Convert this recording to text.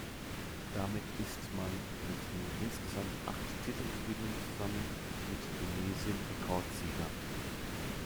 Damit ist man mit nun insgesamt acht Titelgewinnen zusammen mit Tunesien Rekordsieger.